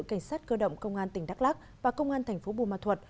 cảnh sát cơ động công an tỉnh đắk lắc và công an thành phố bùa ma thuật